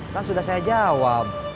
kan sudah saya jawab